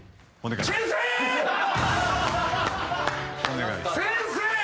お願いします。